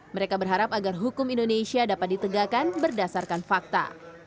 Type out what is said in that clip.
mereka berharap agar hukum indonesia dapat ditegakkan berdasarkan fakta